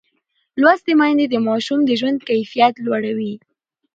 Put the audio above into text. لوستې میندې د ماشوم د ژوند کیفیت لوړوي.